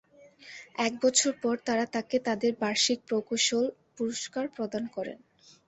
এক বছর পর তারা তাকে তাদের বার্ষিক প্রকৌশল পুরস্কার প্রদান করে।